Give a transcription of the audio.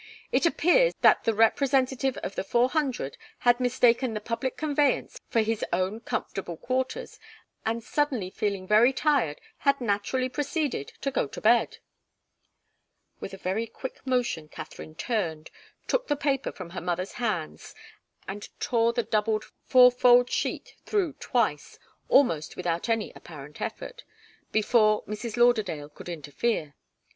It appears that the representative of the four hundred had mistaken the public conveyance for his own comfortable quarters, and suddenly feeling very tired had naturally proceeded to go to bed '" With a very quick motion Katharine turned, took the paper from her mother's hands and tore the doubled fourfold sheet through twice, almost without any apparent effort, before Mrs. Lauderdale could interfere.